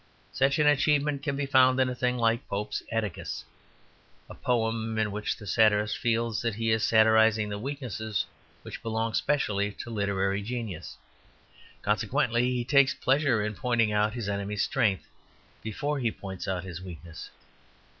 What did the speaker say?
Such an achievement can be found in a thing like Pope's "Atticus" a poem in which the satirist feels that he is satirising the weaknesses which belong specially to literary genius. Consequently he takes a pleasure in pointing out his enemy's strength before he points out his weakness.